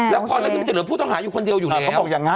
แล้วพอแล้วมันจะเหลือผู้ต้องหาคนเดียวอยู่แล้ว